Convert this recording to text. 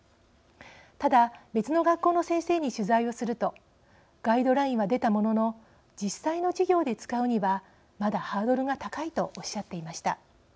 ただ別の学校の先生に取材をするとガイドラインは出たものの実際の授業で使うにはまだハードルが高いとおっしゃっていました。